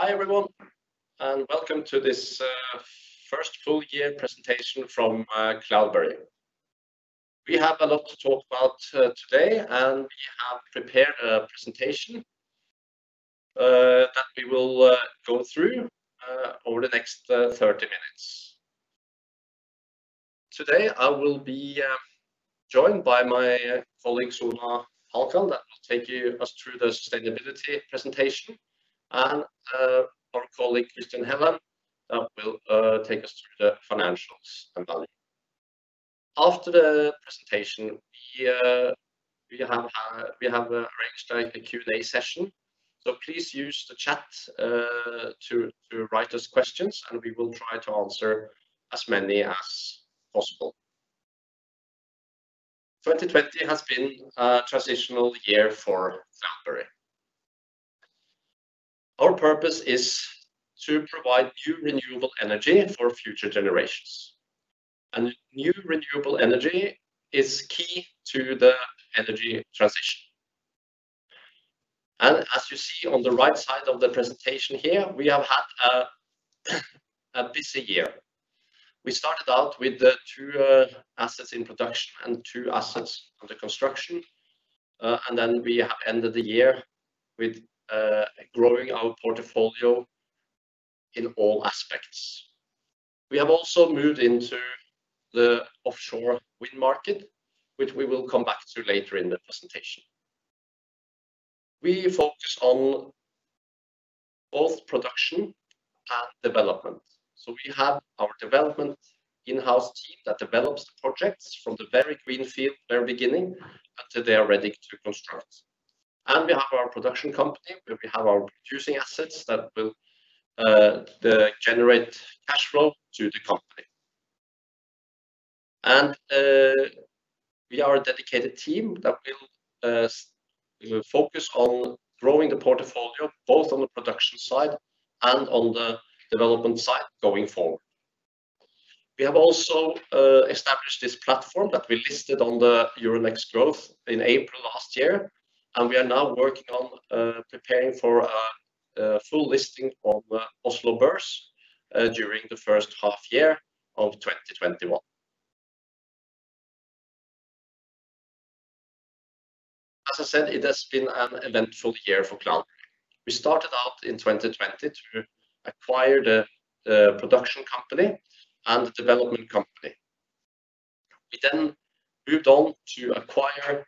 Hi everyone, welcome to this first full year presentation from Cloudberry. We have a lot to talk about today, we have prepared a presentation that we will go through over the next 30 minutes. Today, I will be joined by my colleague, Suna Alkan, that will take us through the sustainability presentation, and our colleague, Christian Helland, that will take us through the financials and value. After the presentation, we have arranged a Q&A session, so please use the chat to write us questions, and we will try to answer as many as possible. 2020 has been a transitional year for Cloudberry. Our purpose is to provide new renewable energy for future generations. New renewable energy is key to the energy transition. As you see on the right side of the presentation here, we have had a busy year. We started out with two assets in production and two assets under construction. We have ended the year with growing our portfolio in all aspects. We have also moved into the offshore wind market, which we will come back to later in the presentation. We focus on both production and development. We have our development in-house team that develops the projects from the very greenfield, very beginning, until they are ready to construct. We have our production company, where we have our producing assets that will generate cash flow to the company. We are a dedicated team that will focus on growing the portfolio, both on the production side and on the development side going forward. We have also established this platform that we listed on the Euronext Growth in April last year. We are now working on preparing for a full listing on Oslo Børs during the first half year of 2021. As I said, it has been an eventful year for Cloudberry. We started out in 2020 to acquire the production company and the development company. We moved on to acquire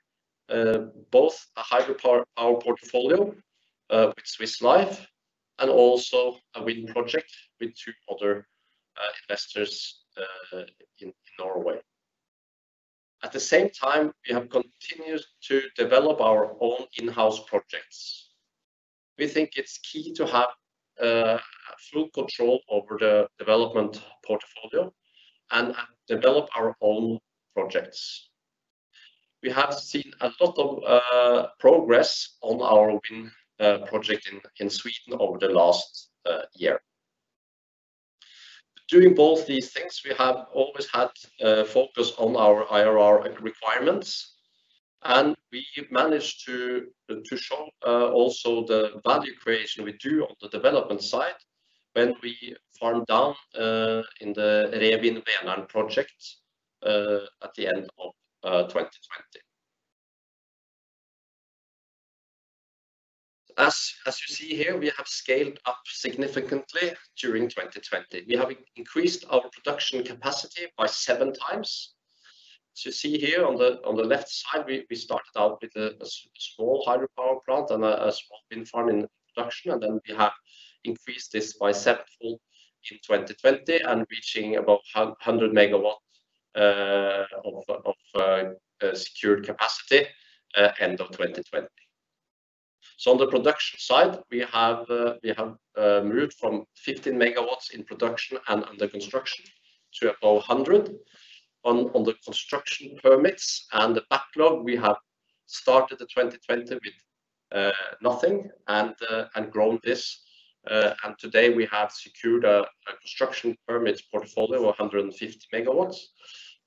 both a hydropower portfolio with Swiss Life and also a wind project with two other investors in Norway. At the same time, we have continued to develop our own in-house projects. We think it's key to have full control over the development portfolio and develop our own projects. We have seen a lot of progress on our wind project in Sweden over the last year. Doing both these things, we have always had a focus on our IRR requirements, and we managed to show also the value creation we do on the development side when we farmed down in the Rewind Vänern project at the end of 2020. As you see here, we have scaled up significantly during 2020. We have increased our production capacity by seven times. You see here on the left side, we started out with a small hydropower plant and a small wind farm in production, and then we have increased this by sevenfold in 2020 and reaching about 100 MW of secured capacity end of 2020. On the production side, we have moved from 15 MW in production and under construction to about 100. On the construction permits and the backlog, we have started 2020 with nothing and grown this. Today we have secured a construction permit portfolio of 150 MW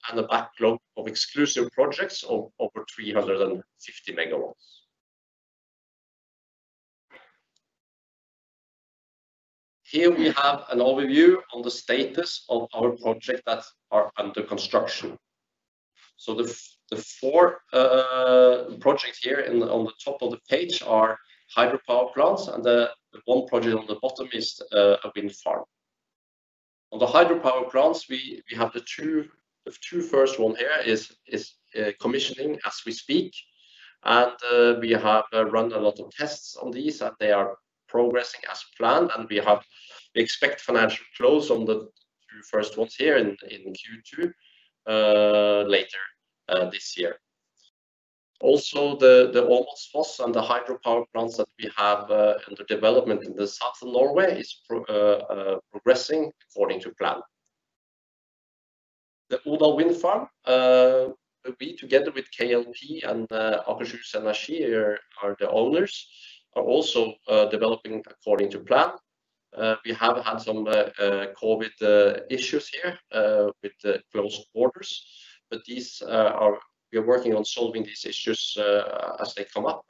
and a backlog of exclusive projects of over 350 MW. Here we have an overview on the status of our projects that are under construction. The four projects here on the top of the page are hydropower plants, and the one project on the bottom is a wind farm. On the hydropower plants, we have the two first one here is commissioning as we speak. We have run a lot of tests on these, and they are progressing as planned, and we expect financial flows on the two first ones here in Q2 later this year. The Åmotsfoss and the hydropower plants that we have under development in the southern Norway is progressing according to plan. The Odal wind farm, we together with KLP and Akershus Energi are the owners, are also developing according to plan. We have had some COVID issues here with the closed borders. We are working on solving these issues as they come up.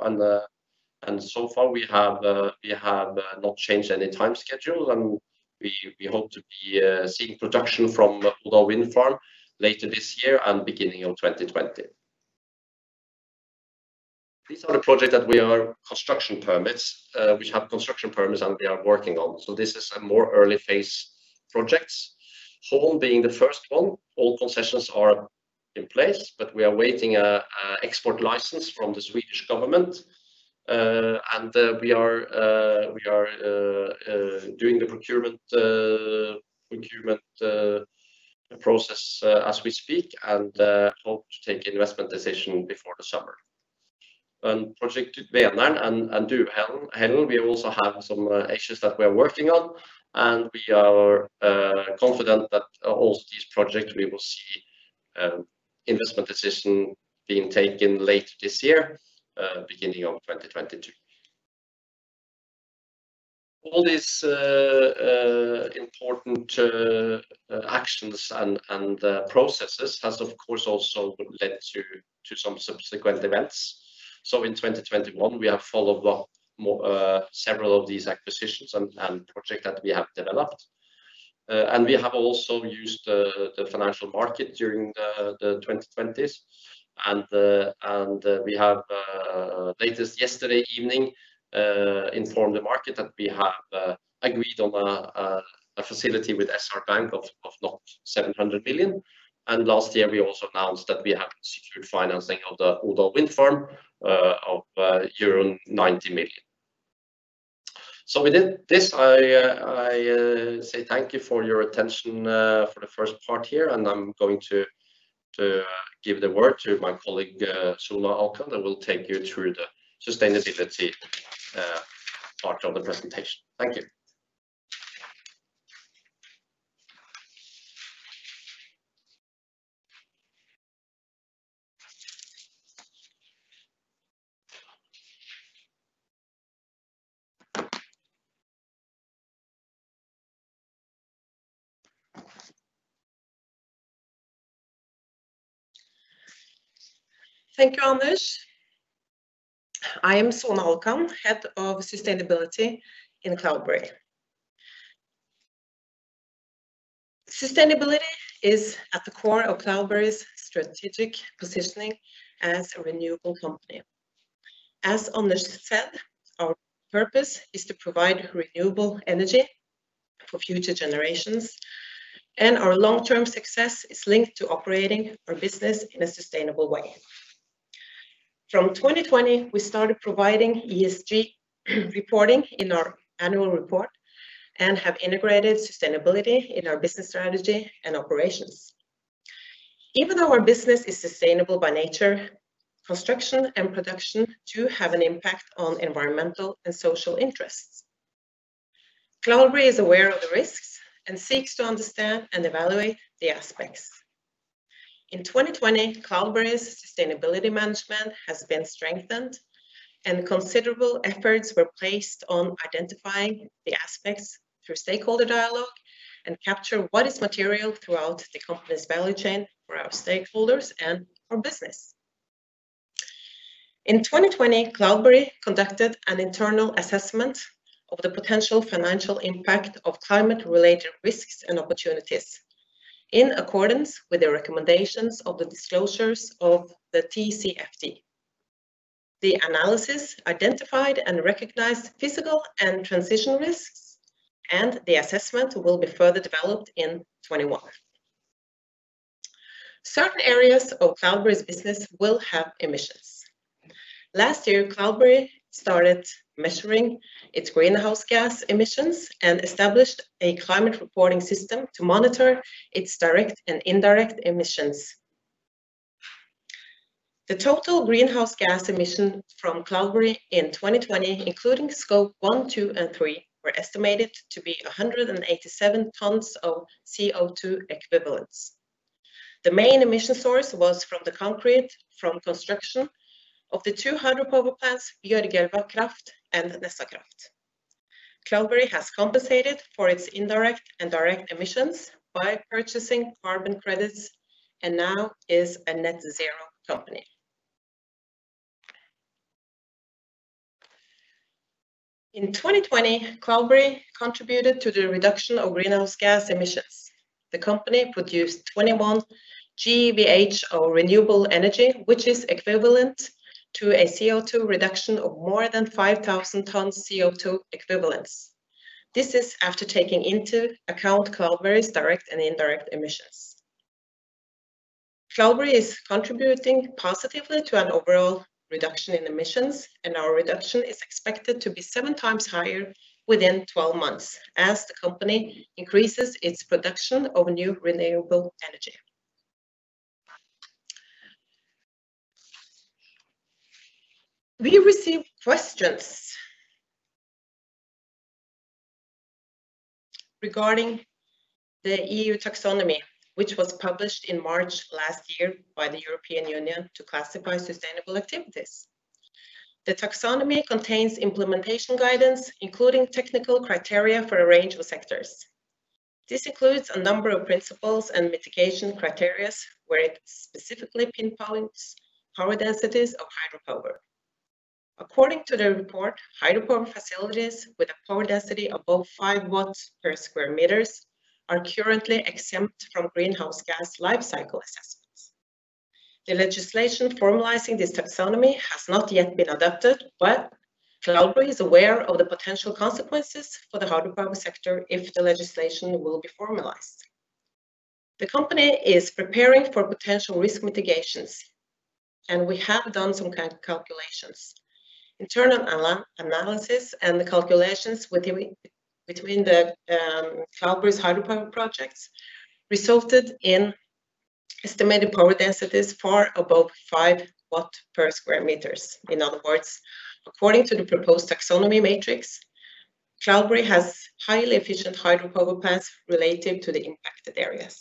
So far, we have not changed any time schedules, and we hope to be seeing production from Odal wind farm later this year and beginning of 2022. These are the projects that we have construction permits and we are working on. This is a more early phase projects. Hån being the first one. All concessions are in place, we are awaiting export license from the Swedish government. We are doing the procurement process as we speak, and hope to take investment decision before the summer. Project Vänern and Duvhällen, we also have some issues that we are working on, and we are confident that all these projects we will see investment decision being taken later this year, beginning of 2022. All these important actions and processes has, of course, also led to some subsequent events. In 2021, we have followed up several of these acquisitions and project that we have developed. We have also used the financial market during the 2020s, and we have, latest yesterday evening, informed the market that we have agreed on a facility with SR Bank of 700 million. Last year, we also announced that we have secured financing of the Odal wind farm of euro 90 million. With this, I say thank you for your attention for the first part here, and I am going to give the word to my colleague, Suna Alkan, that will take you through the sustainability part of the presentation. Thank you. Thank you, Anders. I am Suna Alkan, Head of Sustainability in Cloudberry. Sustainability is at the core of Cloudberry's strategic positioning as a renewable company. As Anders said, our purpose is to provide renewable energy for future generations, and our long-term success is linked to operating our business in a sustainable way. From 2020, we started providing ESG reporting in our annual report and have integrated sustainability in our business strategy and operations. Even though our business is sustainable by nature, construction and production do have an impact on environmental and social interests. Cloudberry is aware of the risks and seeks to understand and evaluate the aspects. In 2020, Cloudberry's sustainability management has been strengthened, and considerable efforts were placed on identifying the aspects through stakeholder dialogue and capture what is material throughout the company's value chain for our stakeholders and our business. In 2020, Cloudberry conducted an internal assessment of the potential financial impact of climate-related risks and opportunities in accordance with the recommendations of the disclosures of the TCFD. The analysis identified and recognized physical and transition risks, and the assessment will be further developed in 2021. Certain areas of Cloudberry's business will have emissions. Last year, Cloudberry started measuring its greenhouse gas emissions and established a climate reporting system to monitor its direct and indirect emissions. The total greenhouse gas emission from Cloudberry in 2020, including Scope 1, 2, and 3, were estimated to be 187 tons of CO₂ equivalents. The main emission source was from the concrete from construction of the two hydropower plants, Bjørgelva Kraft and Nessakraft. Cloudberry has compensated for its indirect and direct emissions by purchasing carbon credits, and now is a net zero company. In 2020, Cloudberry contributed to the reduction of greenhouse gas emissions. The company produced 21 GWh of renewable energy, which is equivalent to a CO₂ reduction of more than 5,000 tons CO₂ equivalents. This is after taking into account Cloudberry's direct and indirect emissions. Cloudberry is contributing positively to an overall reduction in emissions. Our reduction is expected to be seven times higher within 12 months as the company increases its production of new renewable energy. We received questions regarding the EU taxonomy, which was published in March last year by the European Union to classify sustainable activities. The taxonomy contains implementation guidance, including technical criteria for a range of sectors. This includes a number of principles and mitigation criteria where it specifically pinpoints power densities of hydropower. According to the report, hydropower facilities with a power density above five watts per sq m are currently exempt from greenhouse gas lifecycle assessments. The legislation formalizing this EU taxonomy has not yet been adopted. Cloudberry is aware of the potential consequences for the hydropower sector if the legislation will be formalized. The company is preparing for potential risk mitigations, and we have done some kind of calculations. Internal analysis and the calculations between the Cloudberry's hydropower projects resulted in estimated power densities far above 5 W per sq m. In other words, according to the proposed EU taxonomy matrix, Cloudberry has highly efficient hydropower plants related to the impacted areas.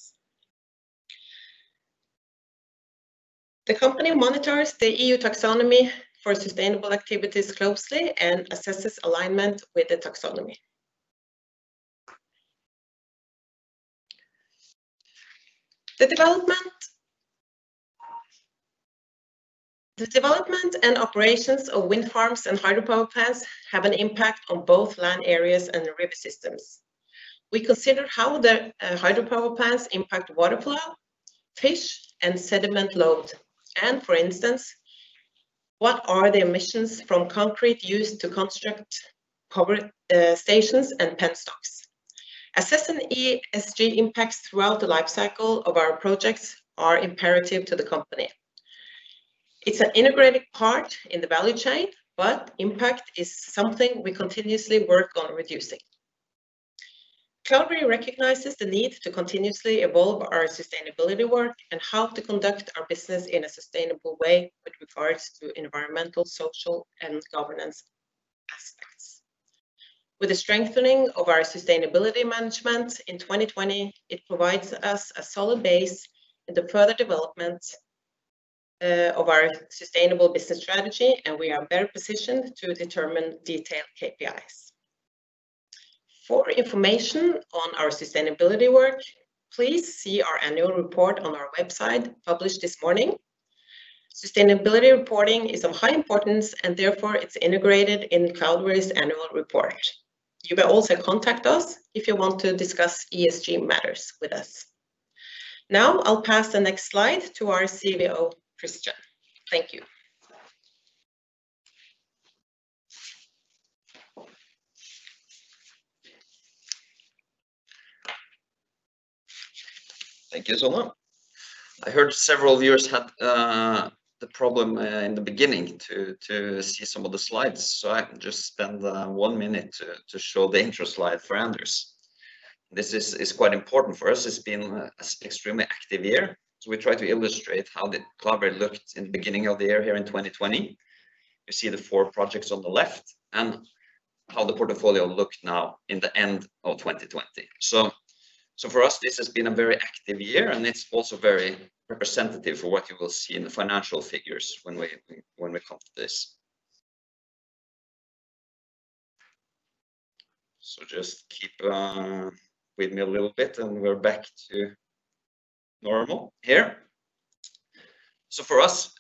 The company monitors the EU taxonomy for sustainable activities closely and assesses alignment with the EU taxonomy. The development and operations of wind farms and hydropower plants have an impact on both land areas and the river systems. We consider how the hydropower plants impact water flow, fish, and sediment load, and, for instance, what are the emissions from concrete used to construct power stations and penstocks. Assessing ESG impacts throughout the lifecycle of our projects are imperative to the company. It's an integrated part in the value chain, but impact is something we continuously work on reducing. Cloudberry recognizes the need to continuously evolve our sustainability work and how to conduct our business in a sustainable way with regards to environmental, social, and governance aspects. With the strengthening of our sustainability management in 2020, it provides us a solid base in the further development of our sustainable business strategy, and we are better positioned to determine detailed KPIs. For information on our sustainability work, please see our annual report on our website, published this morning. Sustainability reporting is of high importance. Therefore, it's integrated in Cloudberry's annual report. You may also contact us if you want to discuss ESG matters with us. I'll pass the next slide to our CVO, Christian. Thank you. Thank you, Suna. I heard several viewers had the problem, in the beginning, to see some of the slides. I can just spend one minute to show the intro slide for others. This is quite important for us. It's been an extremely active year, so we try to illustrate how the Cloudberry looked in the beginning of the year here in 2020. You see the four projects on the left, and how the portfolio look now in the end of 2020. For us, this has been a very active year, and it's also very representative for what you will see in the financial figures when we come to this. Just keep with me a little bit, and we're back to normal here. For us,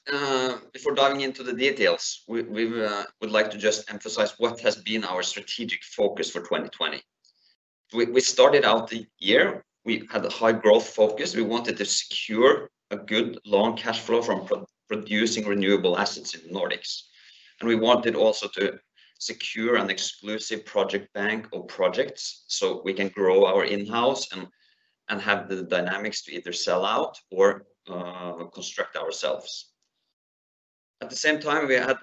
before diving into the details, we would like to just emphasize what has been our strategic focus for 2020. We started out the year, we had a high growth focus. We wanted to secure a good long cash flow from producing renewable assets in the Nordics. We wanted also to secure an exclusive project bank of projects so we can grow our in-house and have the dynamics to either sell out or construct ourselves. At the same time, we had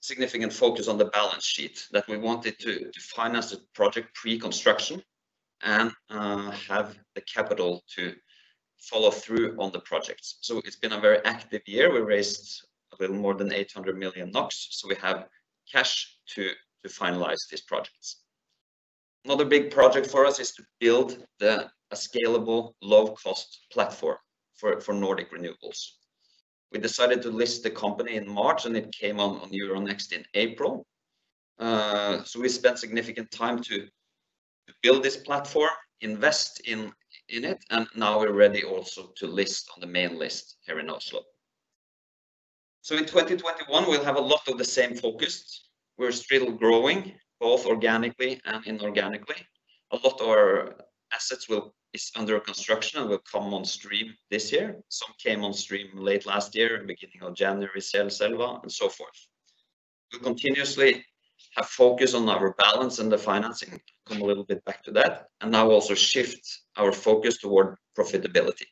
significant focus on the balance sheet, that we wanted to finance the project pre-construction and have the capital to follow through on the projects. It's been a very active year. We raised a little more than 800 million NOK, we have cash to finalize these projects. Another big project for us is to build a scalable, low-cost platform for Nordic renewables. We decided to list the company in March, it came on Euronext in April. We spent significant time to build this platform, invest in it, and now we're ready also to list on the main list here in Oslo. In 2021, we'll have a lot of the same focus. We're still growing, both organically and inorganically. A lot of our assets is under construction and will come on stream this year. Some came on stream late last year, beginning of January, Selselva, and so forth. We continuously have focus on our balance and the financing, come a little bit back to that, and now also shift our focus toward profitability.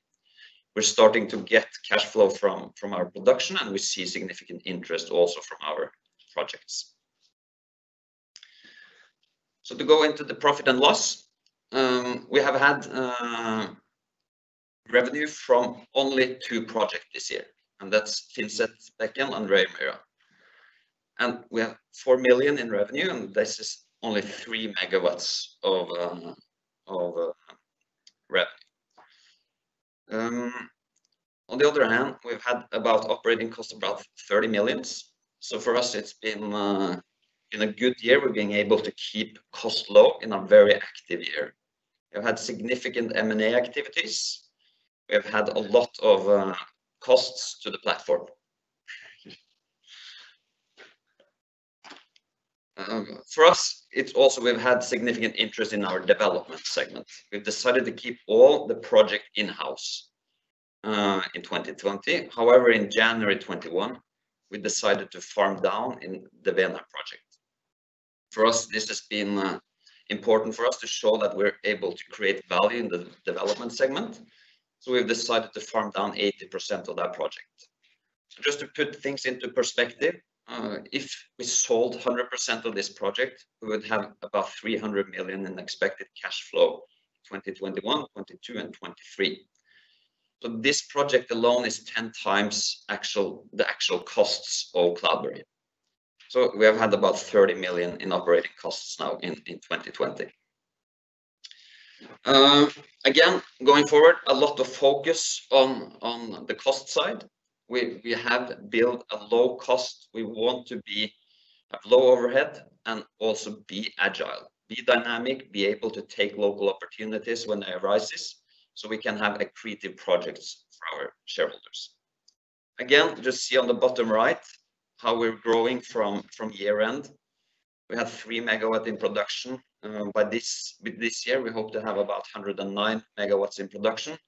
We're starting to get cash flow from our production, and we see significant interest also from our projects. To go into the profit and loss, we have had revenue from only two project this year, and that's Finnsetbekken and Reimyra. We have 4 million in revenue. This is only 3 MW of rep. On the other hand, we've had about operating cost above 30 million. For us, it's been a good year. We've been able to keep cost low in a very active year. We've had significant M&A activities. We have had a lot of costs to the platform. For us, it's also we've had significant interest in our development segment. We've decided to keep all the project in-house in 2020. However, in January 2021, we decided to farm down in the Vänern project. For us, this has been important for us to show that we're able to create value in the development segment. We've decided to farm down 80% of that project. Just to put things into perspective, if we sold 100% of this project, we would have about 300 million in expected cash flow 2021, 2022, and 2023. This project alone is 10x the actual costs of Cloudberry. We have had about 30 million in operating costs now in 2020. Again, going forward, a lot of focus on the cost side. We have built a low cost. We want to be of low overhead and also be agile, be dynamic, be able to take local opportunities when they arises, so we can have accretive projects for our shareholders. Again, just see on the bottom right how we're growing from year-end. We had 3 MW in production. By this year, we hope to have about 109 MW in production.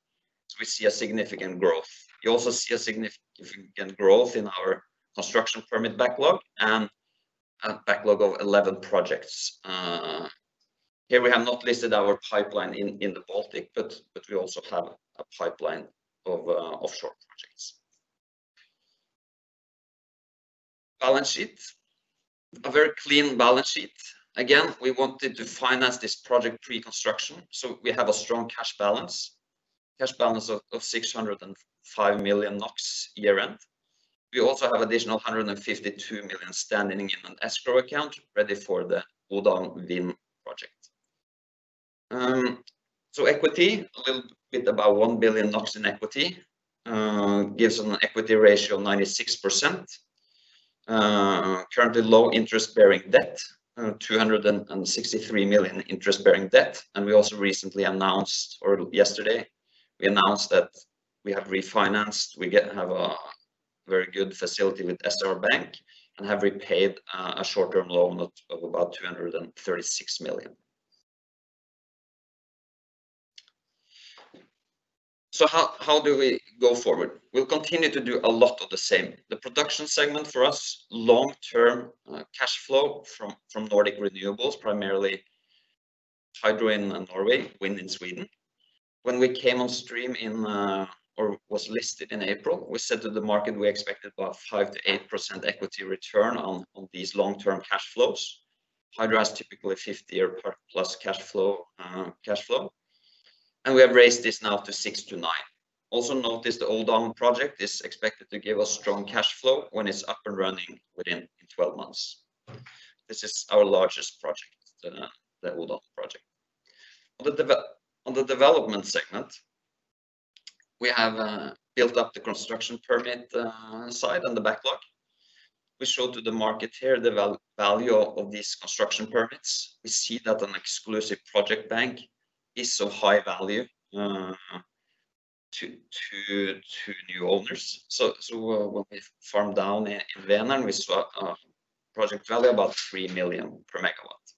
We see a significant growth. We also see a significant growth in our construction permit backlog and a backlog of 11 projects. Here we have not listed our pipeline in the Baltic, but we also have a pipeline of offshore projects. Balance sheet, a very clean balance sheet. Again, we wanted to finance this project pre-construction, so we have a strong cash balance. Cash balance of 605 million NOK year-end. We also have additional 152 million standing in an escrow account ready for the Odal wind project. Equity, a little bit about 1 billion NOK in equity, gives an equity ratio of 96%. Currently low interest-bearing debt, 263 million interest-bearing debt, and yesterday we announced that we have refinanced. We have a very good facility with SR Bank and have repaid a short-term loan of about 236 million. How do we go forward? We'll continue to do a lot of the same. The production segment for us, long-term cash flow from Nordic renewables, primarily hydro in Norway, wind in Sweden. When we came on stream or was listed in April, we said to the market we expected about 5%-8% equity return on these long-term cash flows. Hydro has typically 50+ year cash flow. We have raised this now to 6%-9%. Also notice the Odal project is expected to give us strong cash flow when it's up and running within 12 months. This is our largest project, the Odal project. On the development segment, we have built up the construction permit side and the backlog. We show to the market here the value of these construction permits. We see that an exclusive project bank is of high value to new owners. When we farm down in Vänern, and we saw a project value about 3 million per MW.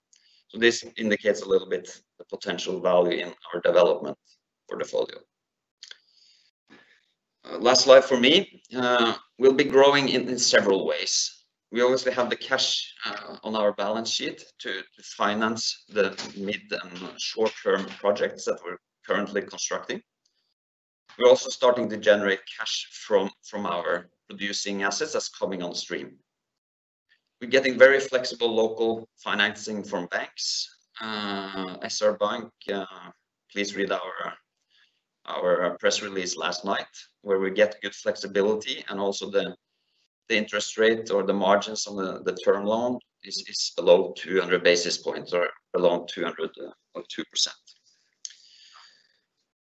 This indicates a little bit the potential value in our development portfolio. Last slide for me. We'll be growing in several ways. We obviously have the cash on our balance sheet to finance the mid and short-term projects that we're currently constructing. We're also starting to generate cash from our producing assets that's coming on stream. We're getting very flexible local financing from banks. SR Bank, please read our press release last night where we get good flexibility and also the interest rate or the margins on the term loan is below 200 basis points or below 2%.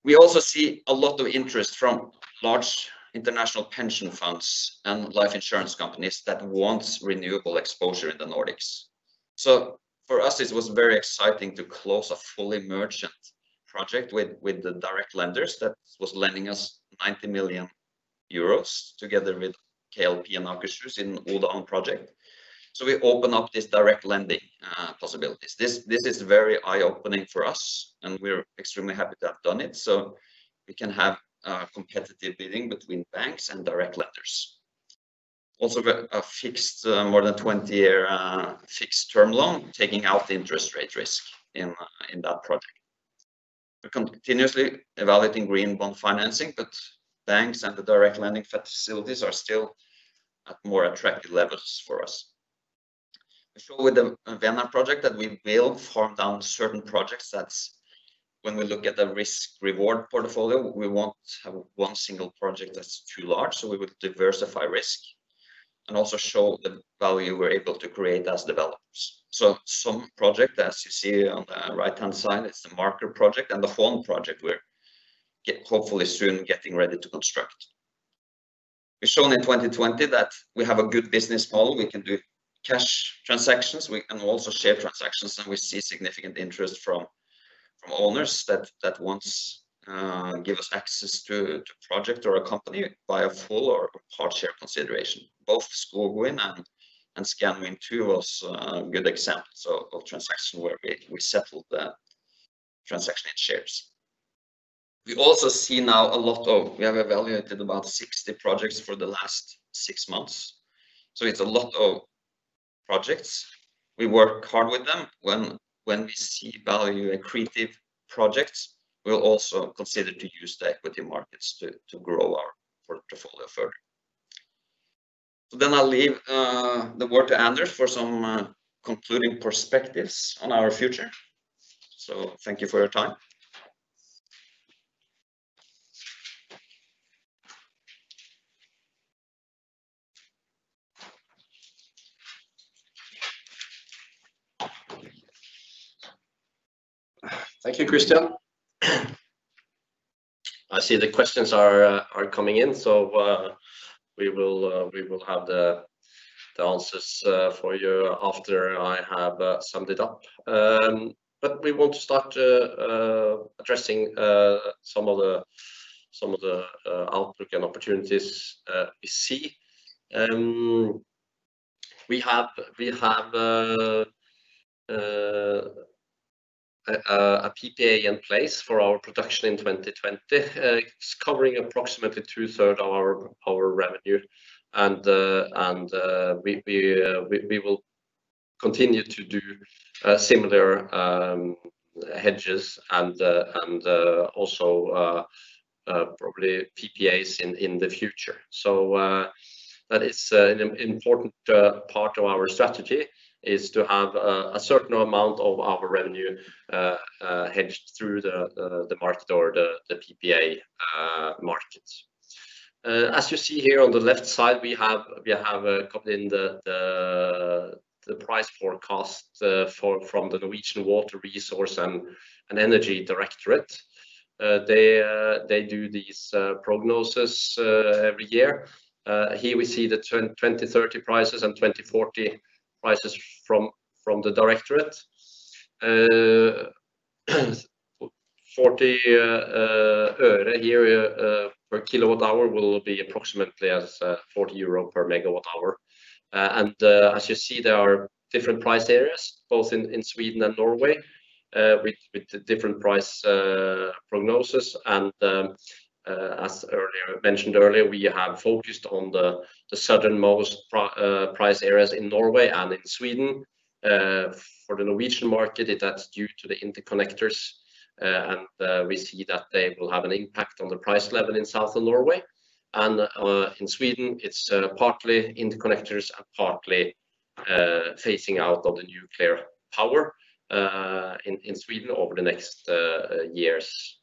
We also see a lot of interest from large international pension funds and life insurance companies that want renewable exposure in the Nordics. For us, it was very exciting to close a fully merchant project with the direct lenders that was lending us 90 million euros together with KLP and Akershus Energi in Odal project. We open up this direct lending possibilities. This is very eye-opening for us, and we're extremely happy to have done it. We can have competitive bidding between banks and direct lenders. Also got a more than 20-year fixed term loan, taking out the interest rate risk in that project. We're continuously evaluating green bond financing, banks and the direct lending facilities are still at more attractive levels for us. I show with the Vänern project that we will farm down certain projects. When we look at the risk-reward portfolio, we won't have one single project that's too large, we would diversify risk and also show the value we're able to create as developers. Some project, as you see on the right-hand side, it's the Marker project and the Hån project we're hopefully soon getting ready to construct. We've shown in 2020 that we have a good business model. We can do cash transactions, we can also share transactions, and we see significant interest from owners that want to give us access to a project or a company via full or part share consideration. Both Skogvind and Scanvind2 was good examples of transactions where we settled the transaction in shares. We have evaluated about 60 projects for the last six months. It's a lot of projects. We work hard with them. When we see value in creative projects, we'll also consider to use the equity markets to grow our portfolio further. I'll leave the word to Anders for some concluding perspectives on our future. Thank you for your time. Thank you, Christian. I see the questions are coming in. We will have the answers for you after I have summed it up. We want to start addressing some of the outlook and opportunities we see. We have a PPA in place for our production in 2020. It's covering approximately 2/3 of our power revenue. We will continue to do similar hedges and also probably PPAs in the future. An important part of our strategy is to have a certain amount of our revenue hedged through the market or the PPA market. As you see here on the left side, we have copied in the price forecast from the Norwegian Water Resources and Energy Directorate. They do these prognosis every year. Here we see the 2030 prices and 2040 prices from the directorate. NOK 0.40 here per kilowatt hour will be approximately as 40 euro per MWh. As you see, there are different price areas, both in Sweden and Norway, with the different price prognoses. As I mentioned earlier, we have focused on the southernmost price areas in Norway and in Sweden. For the Norwegian market, that's due to the interconnectors, and we see that they will have an impact on the price level in South of Norway. In Sweden, it's partly interconnectors and partly phasing out of the nuclear power in Sweden over the next years.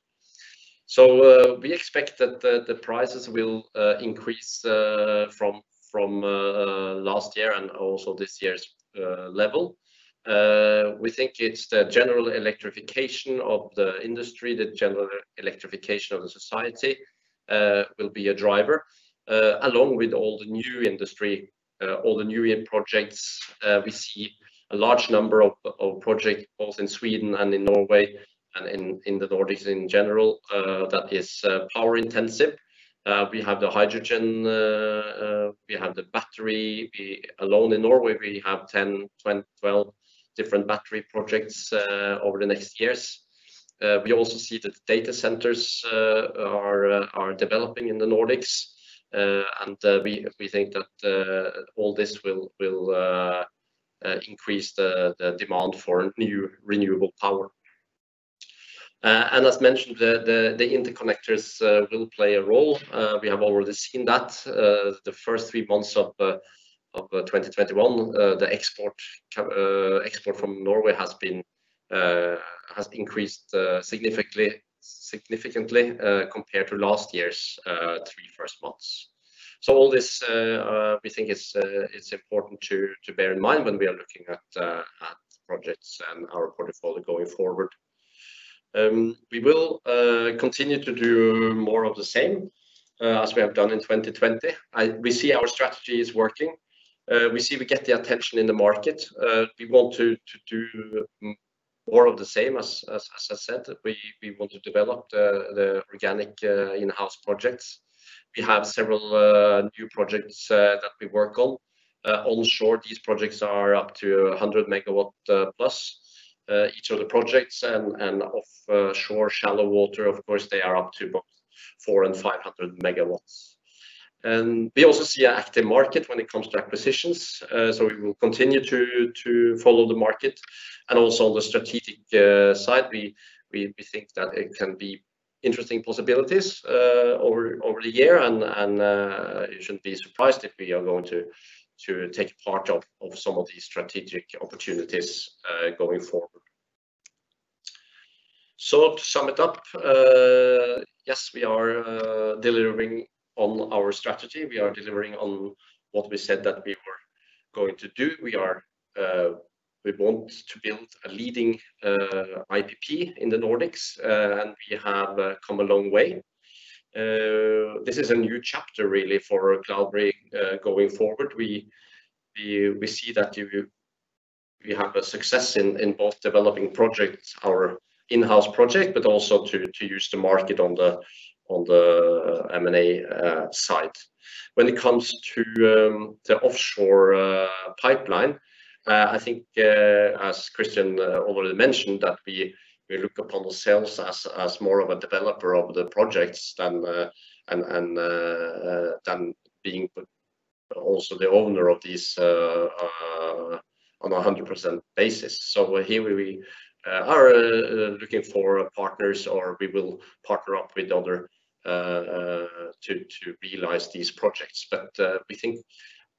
We expect that the prices will increase from last year and also this year's level. We think it's the general electrification of the industry, the general electrification of the society will be a driver, along with all the new industry, all the new projects. We see a large number of projects, both in Sweden and in Norway and in the Nordics in general, that is power-intensive. We have the hydrogen, we have the battery. Alone in Norway, we have 10, 12 different battery projects over the next years. We also see that data centers are developing in the Nordics. We think that all this will increase the demand for new renewable power. As mentioned, the interconnectors will play a role. We have already seen that. The first 3 months of 2021, the export from Norway has increased significantly compared to last year's 3 first months. All this, we think it's important to bear in mind when we are looking at projects and our portfolio going forward. We will continue to do more of the same as we have done in 2020. We see our strategy is working. We see we get the attention in the market. We want to do more of the same as I said. We want to develop the organic in-house projects. We have several new projects that we work on. Onshore, these projects are up to 100 MW+, each of the projects. Offshore shallow water, of course, they are up to both 400 and 500 MW. We also see an active market when it comes to acquisitions. We will continue to follow the market. Also on the strategic side, we think that it can be interesting possibilities over the year, and you shouldn't be surprised if we are going to take part of some of these strategic opportunities going forward. To sum it up, yes, we are delivering on our strategy. We are delivering on what we said that we were going to do. We want to build a leading IPP in the Nordics, and we have come a long way. This is a new chapter, really, for Cloudberry going forward. We see that we have a success in both developing projects, our in-house project, but also to use the market on the M&A side. When it comes to the offshore pipeline, I think as Christian already mentioned, that we look upon ourselves as more of a developer of the projects than being also the owner of these on 100% basis. Here we are looking for partners, or we will partner up with others to realize these projects. We think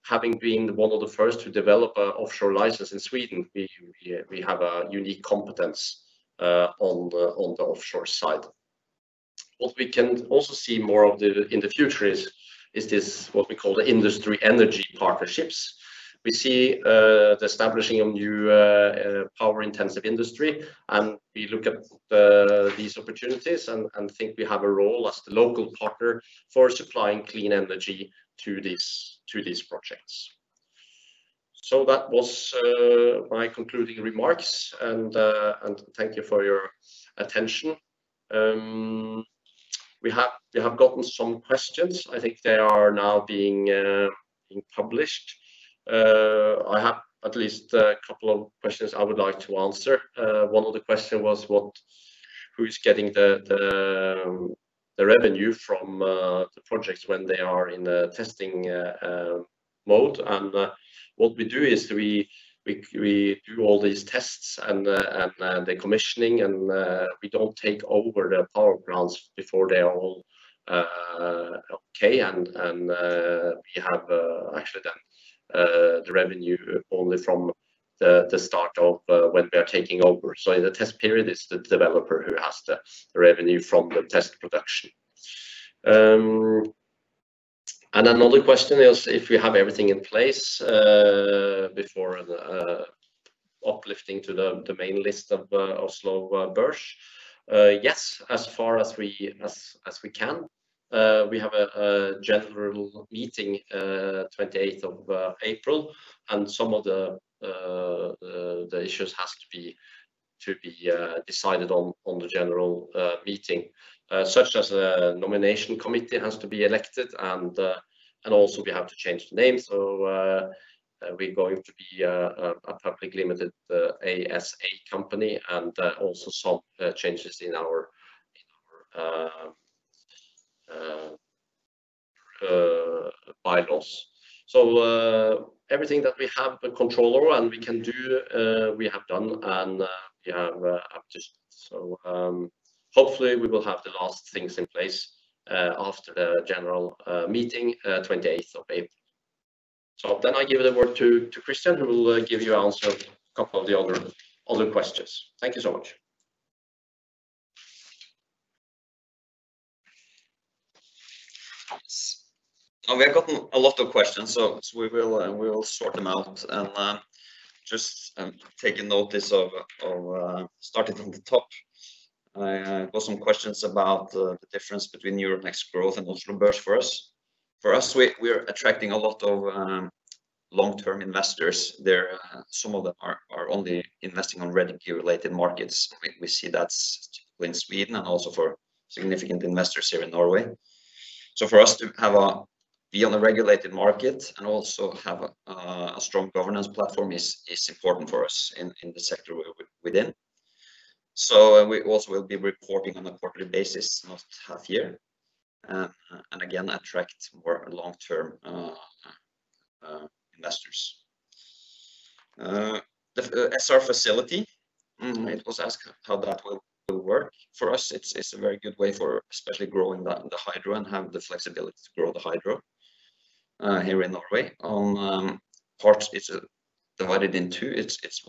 having been one of the first to develop a offshore license in Sweden, we have a unique competence on the offshore side. What we can also see more of in the future is this, what we call the industry energy partnerships. We see the establishing of new power-intensive industry, and we look at these opportunities and think we have a role as the local partner for supplying clean energy to these projects. That was my concluding remarks, and thank you for your attention. We have gotten some questions. I think they are now being published. I have at least a couple of questions I would like to answer. One of the question was, who is getting the revenue from the projects when they are in the testing mode? What we do is we do all these tests and the commissioning, and we don't take over the power plants before they are all okay, and we have actually done the revenue only from the start of when we are taking over. In the test period, it's the developer who has the revenue from the test production. Another question is if we have everything in place before the uplifting to the main list of Oslo Børs. Yes, as far as we can. We have a general meeting 28th of April, some of the issues has to be decided on the general meeting, such as a nomination committee has to be elected, we have to change the name. We're going to be a public limited ASA company, some changes in our bylaws. Everything that we have control over and we can do, we have done. Hopefully we will have the last things in place after the general meeting, 28th of April. I give the word to Christian, who will give you answer a couple of the other questions. Thank you so much. We have gotten a lot of questions, so we will sort them out and just taking notice of starting from the top. I got some questions about the difference between Euronext Growth and Oslo Børs for us. For us, we are attracting a lot of long-term investors there. Some of them are only investing on renewable energy-related markets. We see that in Sweden, and also for significant investors here in Norway. For us to be on a regulated market and also have a strong governance platform is important for us in the sector we're within. We also will be reporting on a quarterly basis, not half year, and again, attract more long-term investors. The SR facility, it was asked how that will work. For us, it's a very good way for especially growing the hydro and have the flexibility to grow the hydro here in Norway. On parts, it is divided in two. It is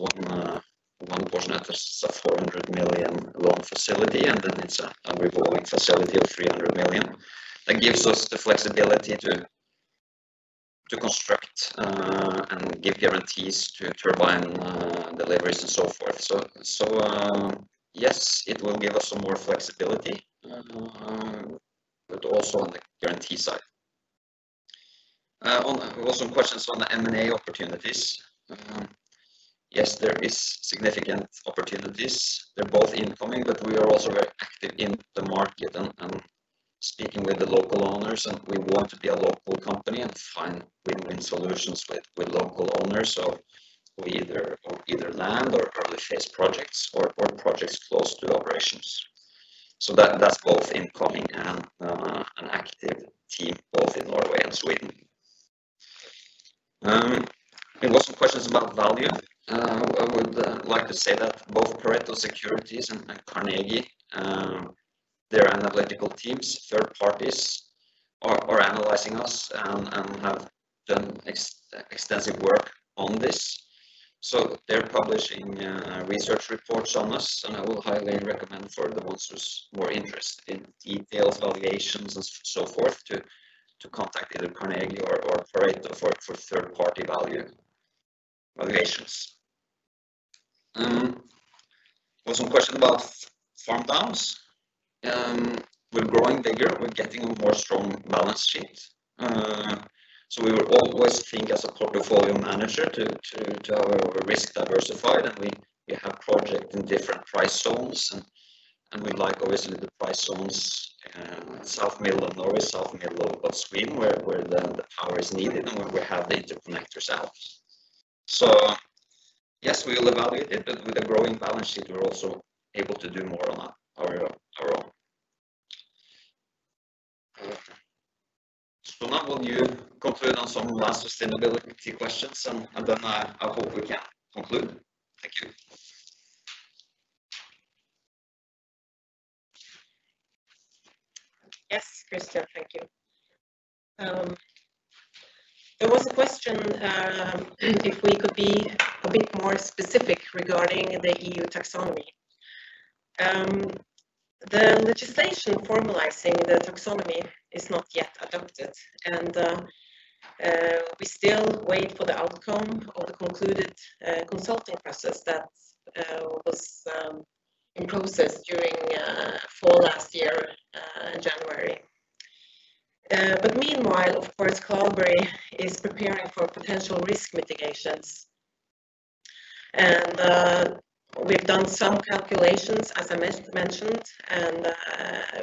one portion that is a 400 million loan facility, and then it is a revolving facility of 300 million. That gives us the flexibility to construct and give guarantees to turbine deliveries and so forth. Yes, it will give us some more flexibility, but also on the guarantee side. We got some questions on the M&A opportunities. Yes, there are significant opportunities. They are both incoming, but we are also very active in the market and speaking with the local owners, and we want to be a local company and find win-win solutions with local owners. Either land or early phase projects, or projects close to operations. That is both incoming and an active team, both in Norway and Sweden. We got some questions about value. I would like to say that both Pareto Securities and Carnegie, their analytical teams, third parties, are analyzing us and have done extensive work on this. They're publishing research reports on us, and I will highly recommend for the ones who's more interest in detailed valuations and so forth, to contact either Carnegie or Pareto for third-party value valuations. There was some question about farm downs. We're growing bigger. We're getting a more strong balance sheet. We will always think as a portfolio manager to have our risk diversified. We have project in different price zones, and we like obviously the price zones in South Middle and always South Middle, but Sweden where the power is needed and where we have the interconnectors out. Yes, we will evaluate it, but with a growing balance sheet, we're also able to do more on our own. Now will you conclude on some last sustainability questions, and then I hope we can conclude. Thank you. Yes, Christian, thank you. There was a question if we could be a bit more specific regarding the EU taxonomy. The legislation formalizing the taxonomy is not yet adopted. We still wait for the outcome of the concluded consulting process that was in process during fall last year, January. Meanwhile, of course, Cloudberry is preparing for potential risk mitigations. We've done some calculations, as I mentioned, and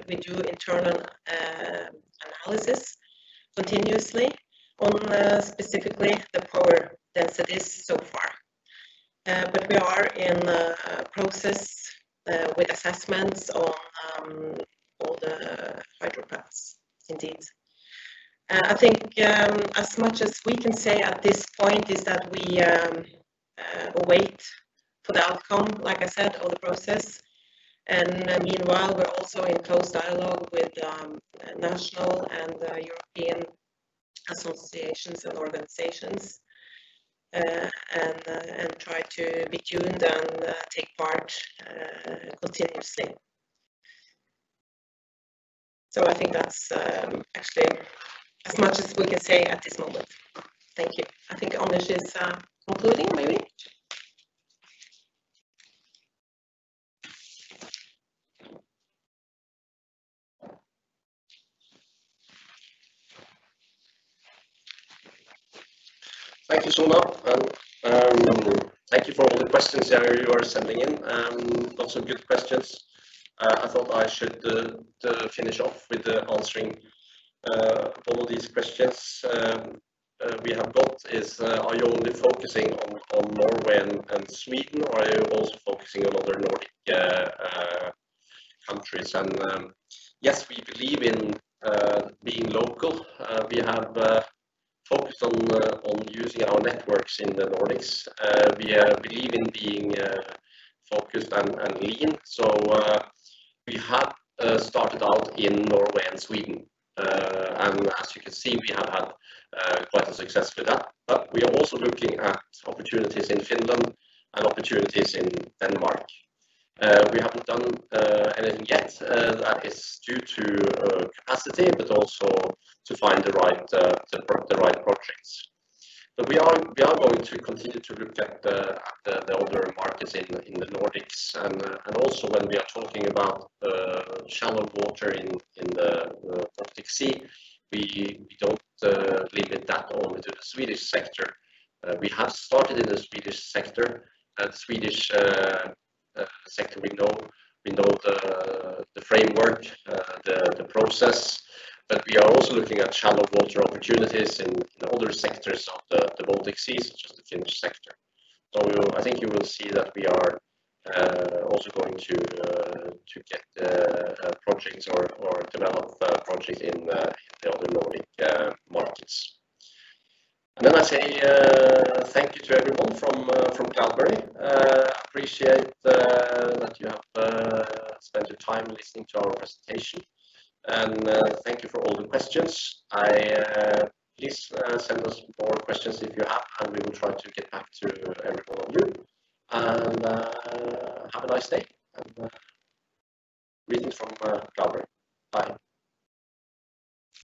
we do internal analysis continuously on specifically the power densities so far. We are in a process with assessments on all the hydrographs, indeed. I think as much as we can say at this point is that we wait for the outcome, like I said, or the process, and meanwhile, we're also in close dialogue with national and European associations and organizations, and try to be tuned and take part continuously. I think that's actually as much as we can say at this moment. Thank you. I think Anders is concluding maybe. Thank you, Suna. Thank you for all the questions you are sending in. Lots of good questions. I thought I should finish off with answering all of these questions we have got is, are you only focusing on Norway and Sweden, or are you also focusing on other Nordic countries? Yes, we believe in being local. We have focused on using our networks in the Nordics. We believe in being focused and lean. We have started out in Norway and Sweden.